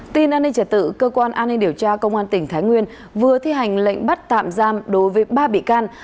tin an ninh trả tự cơ quan an ninh điều tra công an tỉnh thái nguyên vừa thi hành lệnh bắt tạm giam đối với ba bị can